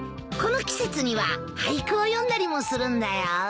この季節には俳句を詠んだりもするんだよ。